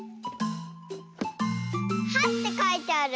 「は」ってかいてある。